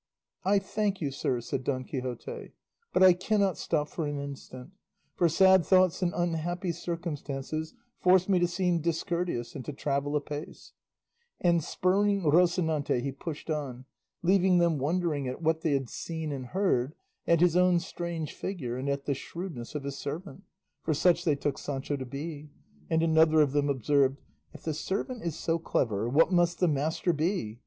'" "I thank you, sirs," said Don Quixote; "but I cannot stop for an instant, for sad thoughts and unhappy circumstances force me to seem discourteous and to travel apace;" and spurring Rocinante he pushed on, leaving them wondering at what they had seen and heard, at his own strange figure and at the shrewdness of his servant, for such they took Sancho to be; and another of them observed, "If the servant is so clever, what must the master be?